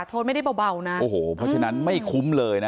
โทษไม่ได้เบานะโอ้โหเพราะฉะนั้นไม่คุ้มเลยนะ